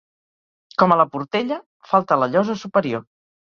Com a la Portella, falta la llosa superior.